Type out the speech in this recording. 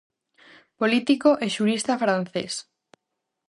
Político e xurista francés.